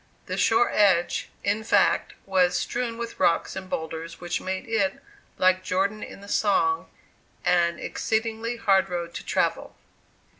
The shore edge in fact was strewn with rocks and boulders, which made it, like "Jordan" in the song, an exceedingly "hard road to travel."